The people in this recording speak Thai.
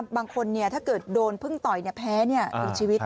บางคนถ้าเกิดโดนเผิ้งต่อยแพ้ชีวิต